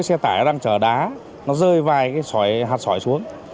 xe tải đang chở đá nó rơi vài hạt sỏi xuống